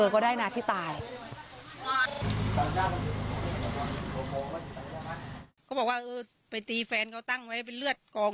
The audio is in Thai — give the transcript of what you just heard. เขาบอกว่าไปตีแฟนเขาตั้งไว้เป็นเลือดกอง